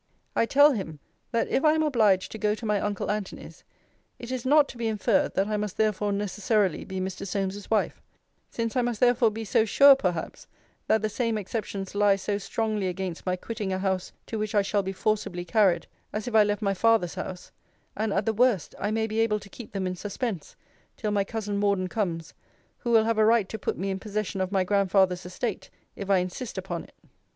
'I tell him, that if I am obliged to go to my uncle Antony's, it is not to be inferred, that I must therefore necessarily be Mr. Solmes's wife: since I must therefore so sure perhaps that the same exceptions lie so strongly against my quitting a house to which I shall be forcibly carried, as if I left my father's house: and, at the worst, I may be able to keep them in suspense till my cousin Morden comes, who will have a right to put me in possession of my grandfather's estate, if I insist upon it.'